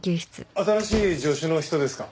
新しい助手の人ですか？